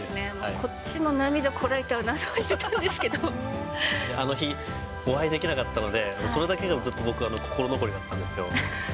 こっちも涙こらえてアナウンあの日、お会いできなかったので、それだけがずっと僕は心残りだったんですよ。